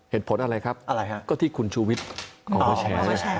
เหตุผลอะไรครับก็ที่คุณชุวิตออกมาแชร์